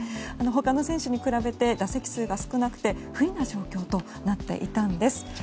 他の選手に比べて打席数が少なく不利な状況となっていたんです。